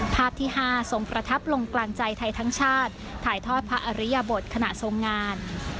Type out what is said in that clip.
ภาพที่๕ทรงประทับลงกลางใจไทยทั้งชาติถ่ายทอดพระอริยบทขณะทรงงาน